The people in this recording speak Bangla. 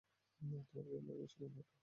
তোমার গেমের সেই মহিলাটা?